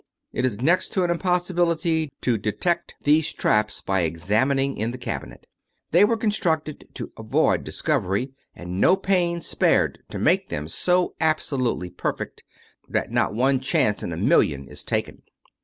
... It is next to an impossibility to detect these traps by examining in the cabinet. They were constructed to avoid discovery, and no pains spared to make them so absolutely^ 302 How Spirits Materialise perfect that not one chance in a million is taken.